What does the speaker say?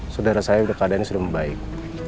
saudara saya udah keadaan ini sudah membaik